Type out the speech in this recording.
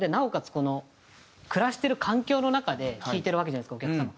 この暮らしてる環境の中で聴いてるわけじゃないですかお客さんは。